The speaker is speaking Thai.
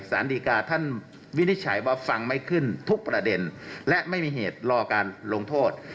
สารดีกาท่านวินิจฉัยว่าฟังไม่ขึ้นทุกประเด็นและไม่มีเหตุรอการลงโทษ